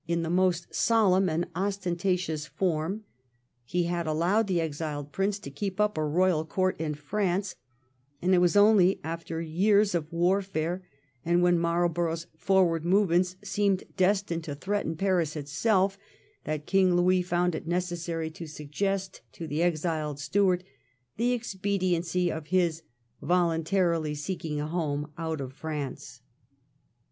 in the most solemn and ostentatious form ; he had allowed the exiled Prince to keep up a royal court in France ; and it was only after years of warfare, and when Marlborough's forward movements seemed destined to threaten Paris itself, that King Louis found it necessary to suggest to the exiled Stuart the expediency of his voluntarily seeking a home out of France.